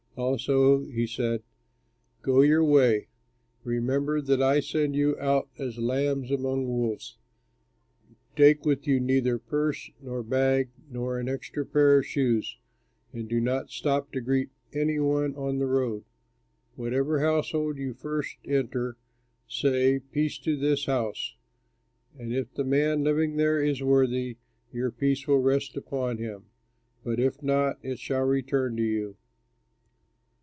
Also he said, "Go your way. Remember that I send you out as lambs among wolves. Take with you neither purse nor bag nor an extra pair of shoes, and do not stop to greet any one on the road. Whatever household you first enter, say, 'Peace to this house!' And if the man living there is worthy, your peace will rest upon him; but if not, it shall return to you.